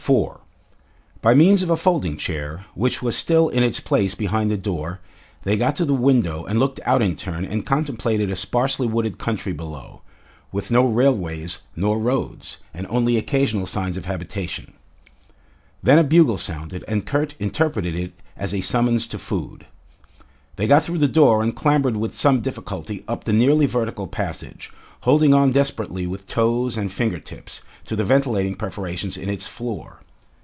4 By means of a folding chair, which was still in its place behind the door, they got to the window and looked out in turn and contemplated a sparsely wooded country below, with no railways nor roads, and only occasional signs of habitation. Then a bugle sounded, and Kurt interpreted it as a summons to food. They got through the door and clambered with some difficulty up the nearly vertical passage, holding on desperately with toes and finger tips, to the ventilating perforations in its floor.